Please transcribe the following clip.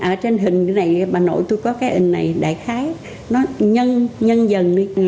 ở trên hình cái này bà nội tôi có cái hình này đại khái nó nhân dần đi